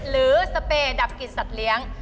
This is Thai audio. สเปดับกลิ่นสัตว์เลี้ยง